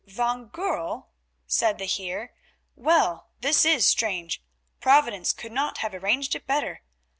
"Van Goorl!" said the Heer. "Well, this is strange; Providence could not have arranged it better.